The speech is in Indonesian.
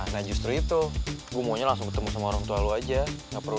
nah justru itu gua maunya langsung ketemu sama orang tua lu aja nggak perlu